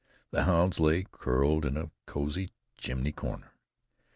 The hounds lay curled in the cozy chimney corner.